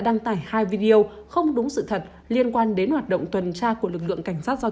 đăng tải hai video không đúng sự thật liên quan đến hoạt động tuần tra của lực lượng cảnh sát giao